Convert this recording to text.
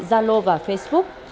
zalo và facebook